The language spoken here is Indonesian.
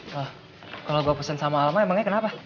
wah kalau gue pesen sama alma emangnya kenapa